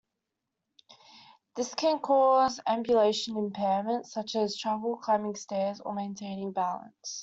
This can cause ambulation impairment, such as trouble climbing stairs or maintaining balance.